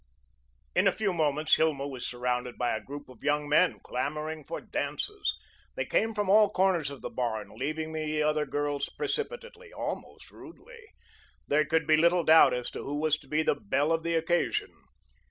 In a few moments Hilma was surrounded by a group of young men, clamouring for dances. They came from all corners of the barn, leaving the other girls precipitately, almost rudely. There could be little doubt as to who was to be the belle of the occasion.